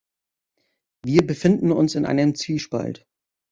Wir befinden uns in einem Zwiespalt.